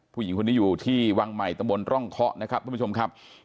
ผู้หญิงคนนี้อยู่ที่วังใหม่ตะบนร่องเคาะนะครับทุกผู้ชมครับ